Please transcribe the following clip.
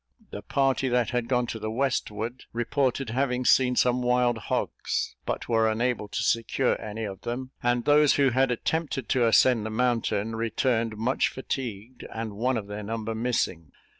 The party that had gone to the westward, reported having seen some wild hogs, but were unable to secure any of them; and those who had attempted to ascend the mountain, returned much fatigued, and one of their number missing.